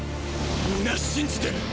皆信じてる！